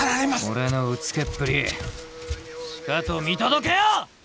俺のうつけっぷりしかと見届けよ！